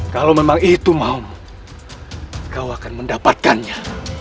kalau memang itu maumu kau akan mendapatkannya